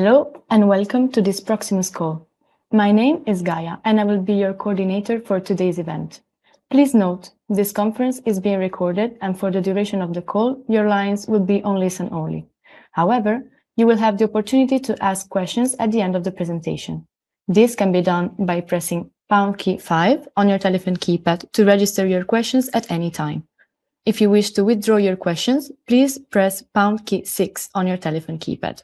Hello, and welcome to this Proximus call. My name is Gaia, and I will be your coordinator for today's event. Please note, this conference is being recorded, and for the duration of the call, your lines will be on listen only. However, you will have the opportunity to ask questions at the end of the presentation. This can be done by pressing pound key five on your telephone keypad to register your questions at any time. If you wish to withdraw your questions, please press pound key six on your telephone keypad.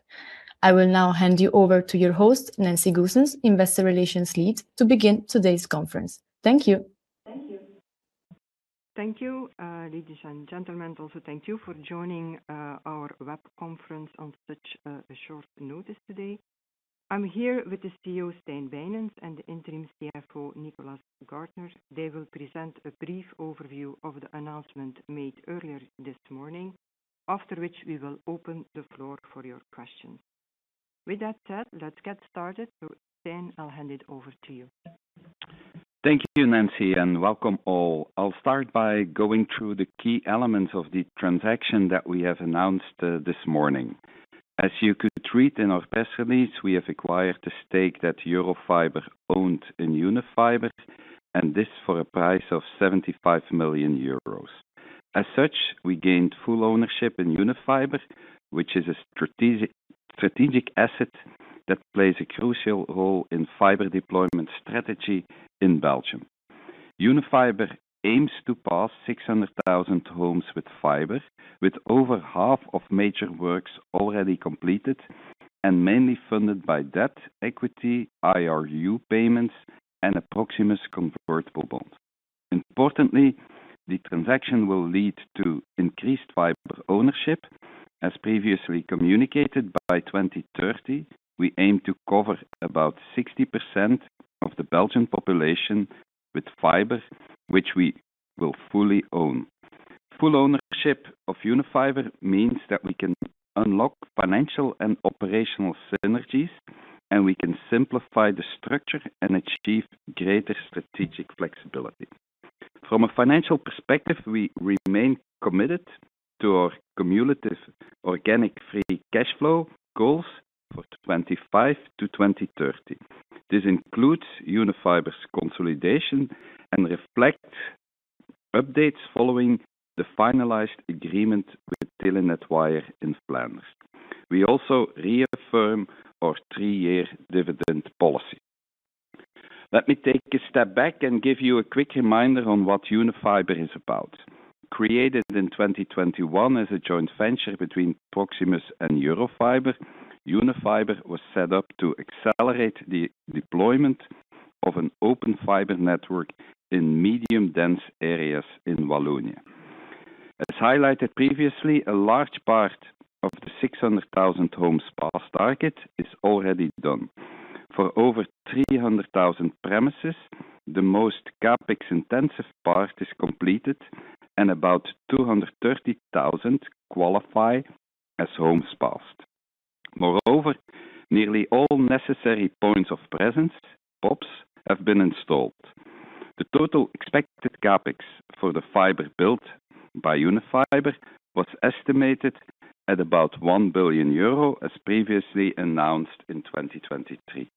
I will now hand you over to your host, Nancy Goossens, investor relations lead, to begin today's conference. Thank you. Thank you. Thank you, ladies and gentlemen. Also, thank you for joining our web conference on such short notice today. I'm here with the CEO, Stijn Bijnens, and the Interim CFO, Nicolas Gaertner. They will present a brief overview of the announcement made earlier this morning. After which, we will open the floor for your questions. With that said, let's get started. Stijn, I'll hand it over to you. Thank you, Nancy, and welcome all. I'll start by going through the key elements of the transaction that we have announced this morning. As you could read in our press release, we have acquired the stake that Eurofiber owned in Unifiber, and this for a price of 75 million euros. As such, we gained full ownership in Unifiber, which is a strategic asset that plays a crucial role in fiber deployment strategy in Belgium. Unifiber aims to pass 600,000 homes with fiber, with over half of major works already completed and mainly funded by debt, equity, IRU payments, and a Proximus convertible bond. Importantly, the transaction will lead to increased fiber ownership. As previously communicated, by 2030, we aim to cover about 60% of the Belgian population with fiber which we will fully own. Full ownership of Unifiber means that we can unlock financial and operational synergies, and we can simplify the structure and achieve greater strategic flexibility. From a financial perspective, we remain committed to our cumulative organic free cash flow goals for 2025 to 2030. This includes Unifiber's consolidation and reflect updates following the finalized agreement with Telenet Wyre in Flanders. We also reaffirm our three-year dividend policy. Let me take a step back and give you a quick reminder on what Unifiber is about. Created in 2021 as a joint venture between Proximus and Eurofiber, Unifiber was set up to accelerate the deployment of an open fiber network in medium dense areas in Wallonia. As highlighted previously, a large part of the 600,000 homes passed target is already done. For over 300,000 premises, the most CapEx-intensive part is completed and about 230,000 qualify as homes passed. Moreover, nearly all necessary Points of Presence, POPs, have been installed. The total expected CapEx for the fiber built by Unifiber was estimated at about 1 billion euro, as previously announced in 2023.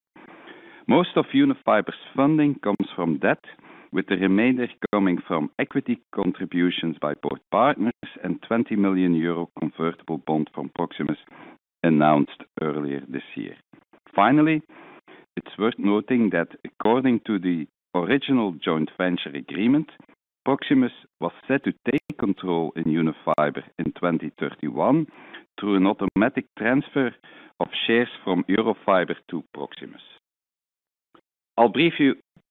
Most of Unifiber's funding comes from debt, with the remainder coming from equity contributions by both partners and 20 million euro convertible bond from Proximus announced earlier this year. Finally, it's worth noting that according to the original joint venture agreement, Proximus was set to take control in Unifiber in 2031 through an automatic transfer of shares from Eurofiber to Proximus. I'll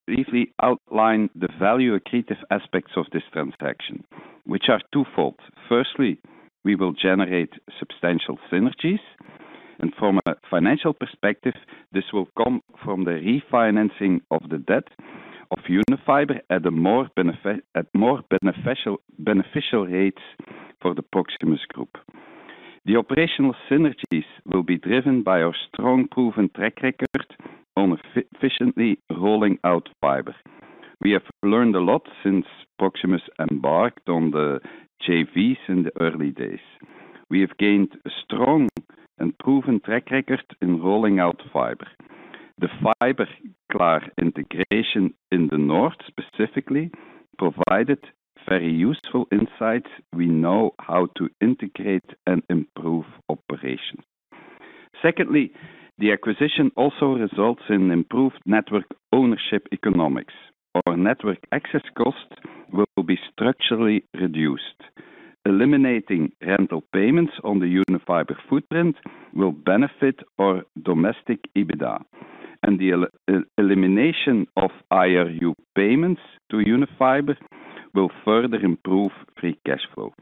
briefly outline the value accretive aspects of this transaction, which are twofold. Firstly, we will generate substantial synergies, and from a financial perspective, this will come from the refinancing of the debt of Unifiber at more beneficial rates for the Proximus Group. The operational synergies will be driven by our strong proven track record on efficiently rolling out fiber. We have learned a lot since Proximus embarked on the JVs in the early days. We have gained a strong and proven track record in rolling out fiber. The Fiberklaar integration in the north specifically provided very useful insights. We know how to integrate and improve operations. Secondly, the acquisition also results in improved network ownership economics. Our network access cost will be structurally reduced. Eliminating rental payments on the Unifiber footprint will benefit our domestic EBITDA, and the elimination of IRU payments to Unifiber will further improve free cash flow.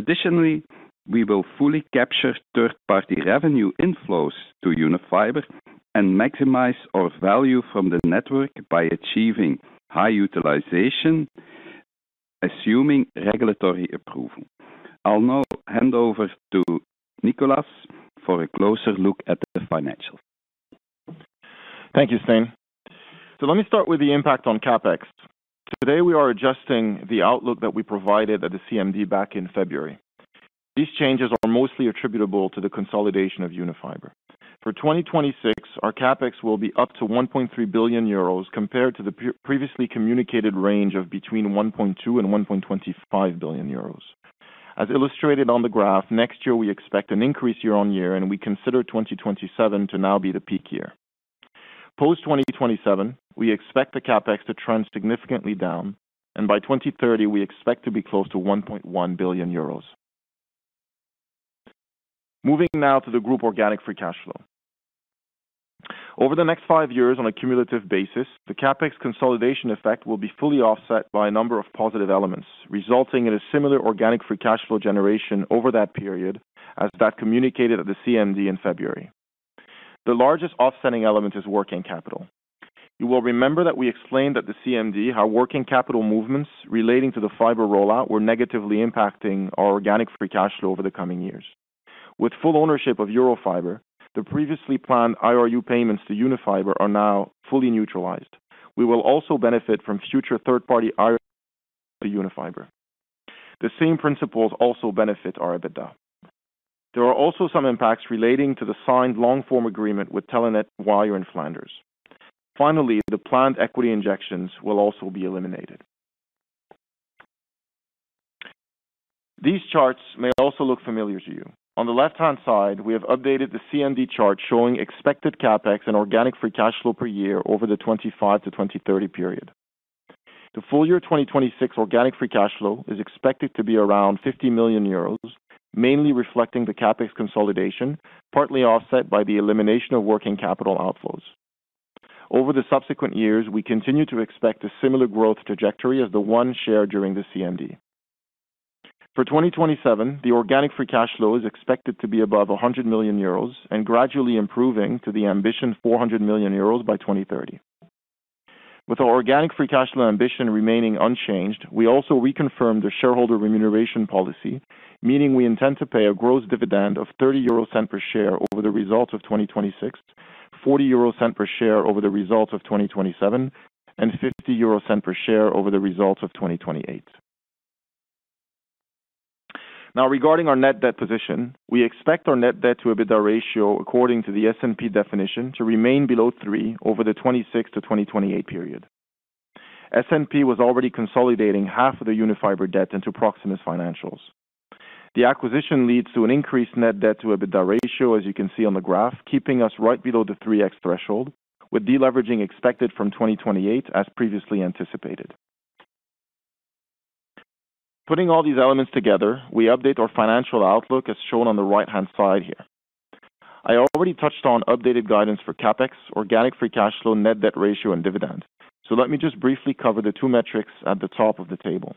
Additionally, we will fully capture third-party revenue inflows to Unifiber and maximize our value from the network by achieving high utilization, assuming regulatory approval. I'll now hand over to Nicolas for a closer look at the financials. Thank you, Stijn. Let me start with the impact on CapEx. Today, we are adjusting the outlook that we provided at the CMD back in February. These changes are mostly attributable to the consolidation of Unifiber. For 2026, our CapEx will be up to 1.3 billion euros compared to the previously communicated range of between 1.2 billion and 1.25 billion euros. As illustrated on the graph, next year we expect an increase year-on-year, and we consider 2027 to now be the peak year. Post-2027, we expect the CapEx to trend significantly down, and by 2030, we expect to be close to 1.1 billion euros. Moving now to the group organic free cash flow. Over the next five years on a cumulative basis, the CapEx consolidation effect will be fully offset by a number of positive elements, resulting in a similar organic free cash flow generation over that period as that communicated at the CMD in February. The largest offsetting element is working capital. You will remember that we explained at the CMD how working capital movements relating to the fiber rollout were negatively impacting our organic free cash flow over the coming years. With full ownership of Eurofiber, the previously planned IRU payments to Unifiber are now fully neutralized. We will also benefit from future third-party IRU to Unifiber. The same principles also benefit our EBITDA. There are also some impacts relating to the signed long-form agreement with Telenet Wyre in Flanders. The planned equity injections will also be eliminated. These charts may also look familiar to you. On the left-hand side, we have updated the CMD chart showing expected CapEx and organic free cash flow per year over the 2025 to 2030 period. The full year 2026 organic free cash flow is expected to be around 50 million euros, mainly reflecting the CapEx consolidation, partly offset by the elimination of working capital outflows. Over the subsequent years, we continue to expect a similar growth trajectory as the one shared during the CMD. For 2027, the organic free cash flow is expected to be above 100 million euros and gradually improving to the ambition 400 million euros by 2030. With our organic free cash flow ambition remaining unchanged, we also reconfirm the shareholder remuneration policy, meaning we intend to pay a gross dividend of 0.30 per share over the results of 2026, 0.40 per share over the results of 2027, and 0.50 per share over the results of 2028. Now, regarding our net debt position, we expect our net debt to EBITDA ratio, according to the S&P definition, to remain below three over the 2026-2028 period. S&P was already consolidating half of the Unifiber debt into Proximus financials. The acquisition leads to an increased net debt to EBITDA ratio, as you can see on the graph, keeping us right below the 3x threshold, with deleveraging expected from 2028 as previously anticipated. Putting all these elements together, we update our financial outlook as shown on the right-hand side here. I already touched on updated guidance for CapEx, organic free cash flow, net debt ratio, and dividend. Let me just briefly cover the two metrics at the top of the table.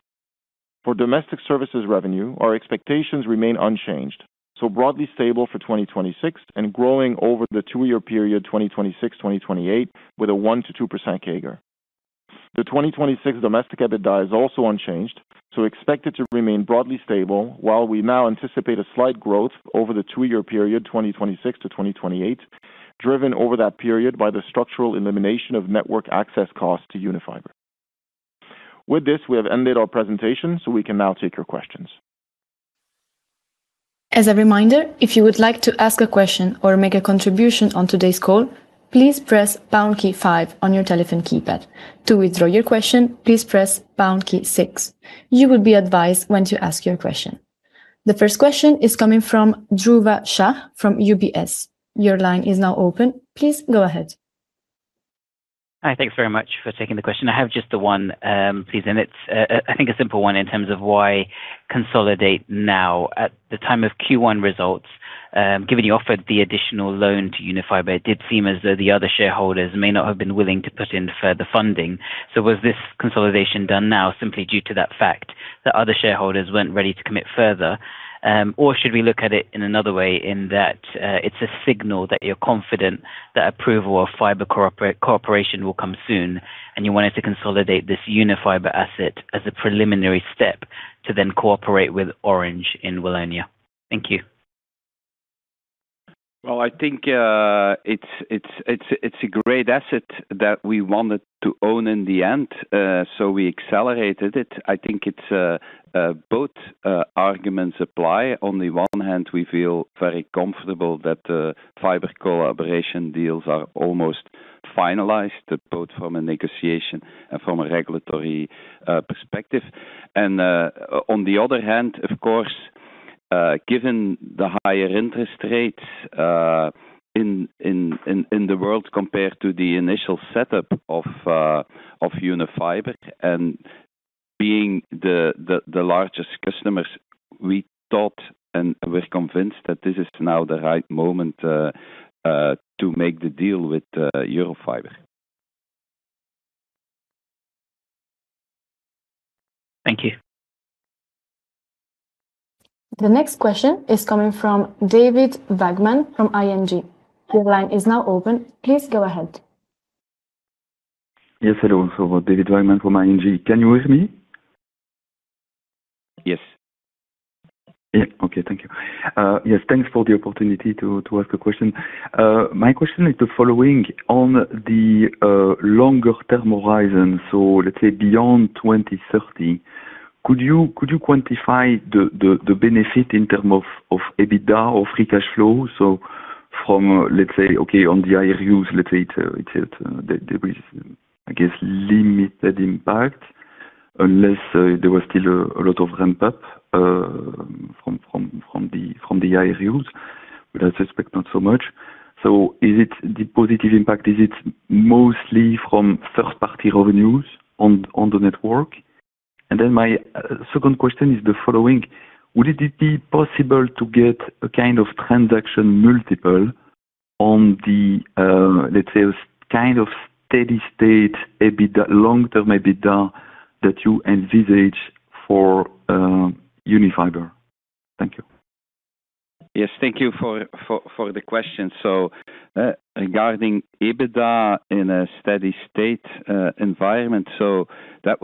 For domestic services revenue, our expectations remain unchanged, so broadly stable for 2026 and growing over the two-year period 2026-2028 with a 1%-2% CAGR. The 2026 domestic EBITDA is also unchanged, so expect it to remain broadly stable while we now anticipate a slight growth over the two-year period, 2026-2028, driven over that period by the structural elimination of network access costs to Unifiber. With this, we have ended our presentation, so we can now take your questions. As a reminder, if you would like to ask a question or make a contribution on today's call, please press pound key five on your telephone keypad. To withdraw your question, please press pound key six. You will be advised when to ask your question. The first question is coming from Dhruva Shah from UBS. Your line is now open. Please go ahead. Hi. Thanks very much for taking the question. I have just the one, please, and it's, I think, a simple one in terms of why consolidate now at the time of Q1 results, given you offered the additional loan to Unifiber. It did seem as though the other shareholders may not have been willing to put in further funding. Was this consolidation done now simply due to that fact that other shareholders weren't ready to commit further? Should we look at it in another way in that it's a signal that you're confident that approval of fiber cooperation will come soon, and you wanted to consolidate this Unifiber asset as a preliminary step to then cooperate with Orange in Wallonia? Thank you. I think it's a great asset that we wanted to own in the end, so we accelerated it. I think both arguments apply. On the one hand, we feel very comfortable that the fiber cooperation deals are almost finalized, both from a negotiation and from a regulatory perspective. On the other hand, of course, given the higher interest rates in the world compared to the initial setup of Unifiber and being the largest customers, we thought and we're convinced that this is now the right moment to make the deal with Eurofiber. Thank you. The next question is coming from David Vagman from ING. Your line is now open. Please go ahead. Yes, hello. David Vagman from ING. Can you hear me? Yes. Yeah. Okay. Thank you. Yes, thanks for the opportunity to ask a question. My question is the following: On the longer-term horizon, let's say beyond 2030, could you quantify the benefit in terms of EBITDA or free cash flow? From, let's say, okay, on the IRUs, let's say there is, I guess, limited impact unless there was still a lot of ramp up from the IRUs, but I suspect not so much. Is it the positive impact? Is it mostly from first-party revenues on the network? My second question is the following: would it be possible to get a kind of transaction multiple on the, let's say, kind of steady state, long-term EBITDA that you envisage for Unifiber? Thank you. Yes, thank you for the question. Regarding EBITDA in a steady state environment, that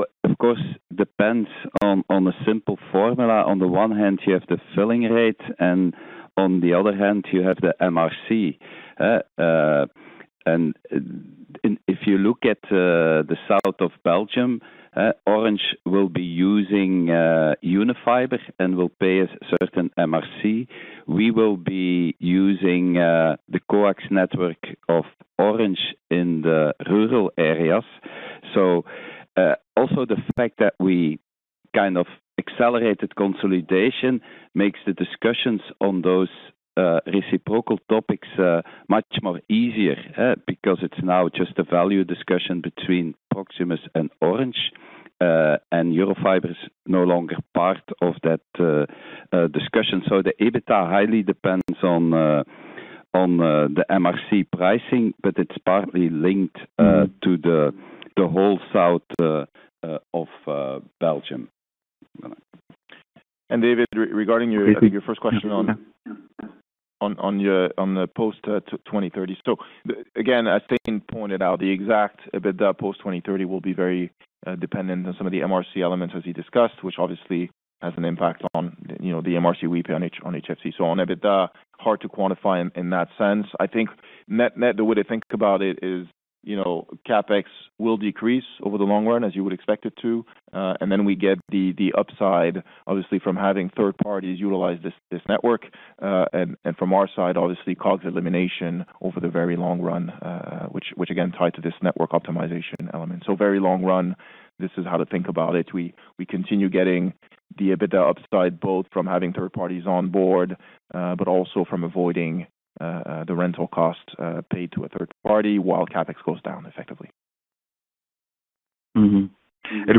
depends on a simple formula. On the one hand, you have the filling rate, and on the other hand, you have the MRC. If you look at the south of Belgium, Orange will be using Unifiber and will pay a certain MRC. We will be using the coax network of Orange in the rural areas. Also the fact that we kind of accelerated consolidation makes the discussions on those reciprocal topics much more easier because it's now just a value discussion between Proximus and Orange, and Eurofiber is no longer part of that discussion. The EBITDA highly depends on the MRC pricing, but it's partly linked to the whole south of Belgium. David, regarding, I think your first question on the post 2030. Again, as Stijn pointed out, the exact EBITDA post 2030 will be very dependent on some of the MRC elements as he discussed, which obviously has an impact on the MRC repay on HFC. On EBITDA, hard to quantify in that sense. I think net, the way to think about it is, CapEx will decrease over the long run, as you would expect it to. Then we get the upside, obviously, from having third parties utilize this network. From our side, obviously, COGS elimination over the very long run, which again, tied to this network optimization element. Very long run, this is how to think about it. We continue getting the EBITDA upside both from having third parties on board, but also from avoiding the rental cost paid to a third party while CapEx goes down effectively. Mm-hmm.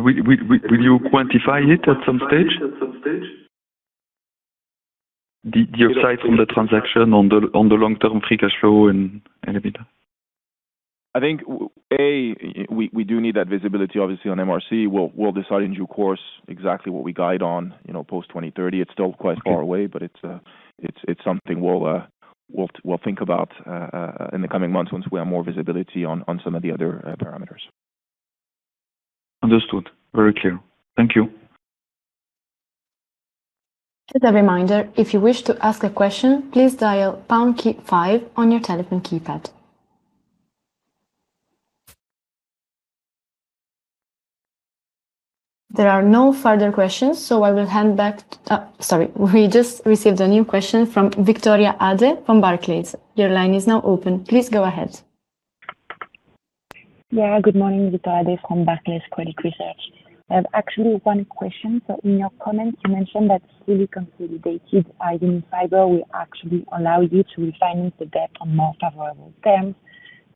Will you quantify it at some stage, the upside from the transaction on the long-term free cash flow and EBITDA? I think, A, we do need that visibility obviously on MRC. We'll decide in due course exactly what we guide on post 2030. It's still quite far away, it's something we'll think about in the coming months once we have more visibility on some of the other parameters. Understood. Very clear. Thank you. As a reminder if you wish to ask a question please dial pound key five on your telephone keypad. There are no further questions. I will hand back. Oh, sorry. We just received a new question from Victoria Ade from Barclays. Your line is now open. Please go ahead. Yeah, good morning. Victoria Ade from Barclays Credit Research. I have actually one question. In your comments, you mentioned that fully consolidated Unifiber will actually allow you to refinance the debt on more favorable terms.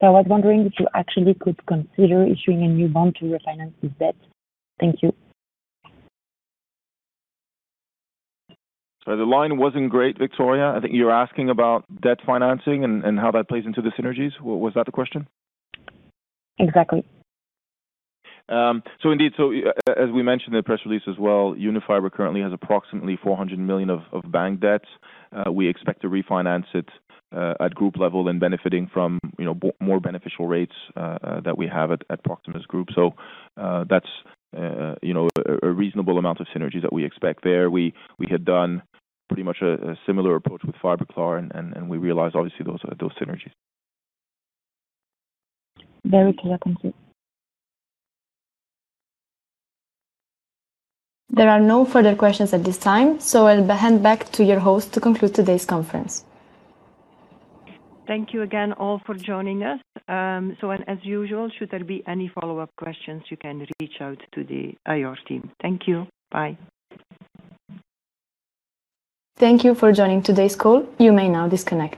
I was wondering if you actually could consider issuing a new bond to refinance this debt. Thank you. The line wasn't great, Victoria. I think you're asking about debt financing and how that plays into the synergies. Was that the question? Exactly. Indeed, as we mentioned in the press release as well, Unifiber currently has approximately 400 million of bank debt. We expect to refinance it at group level and benefiting from more beneficial rates that we have at Proximus Group. That's a reasonable amount of synergies that we expect there. We had done pretty much a similar approach with Fiberklaar, and we realized, obviously, those synergies. Very clear. Thank you. There are no further questions at this time, so I'll hand back to your host to conclude today's conference. Thank you again all for joining us. As usual, should there be any follow-up questions, you can reach out to the IR team. Thank you. Bye. Thank you for joining today's call. You may now disconnect.